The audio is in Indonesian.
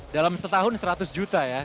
dalam setahun seratus juta ya